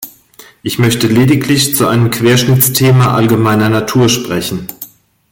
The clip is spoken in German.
Ich möchte lediglich zu einem Querschnittsthema allgemeiner Natur sprechen.